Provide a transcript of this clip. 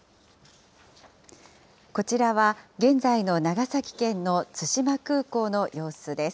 こちらは現在の長崎県の対馬空港の様子です。